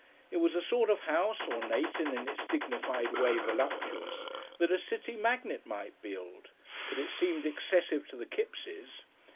It was the sort of house, ornate and in its dignified way voluptuous, that a city magnate might build, but it seemed excessive to the Kippses.